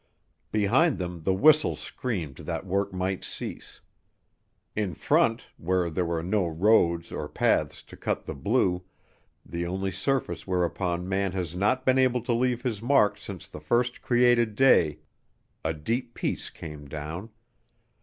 Behind them the whistles screamed that work might cease. In front, where there were no roads or paths to cut the blue, the only surface whereon man has not been able to leave his mark since the first created day, a deep peace came down.